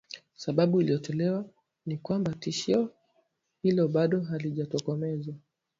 sababu iliyotolewa ni kwamba tishio hilo bado halijatokomezwa